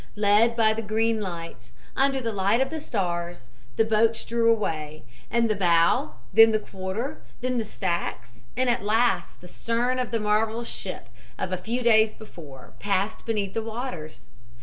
"Led by the green light, under the light of the stars, the boats drew away, and the bow, then the quarter, then the stacks and at last the stern of the marvel ship of a few days before, passed beneath the waters.